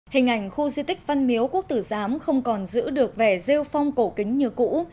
hình ảnh khu di tích văn miếu quốc tử giám không còn giữ được vẻ rêu phong cổ kính như cũ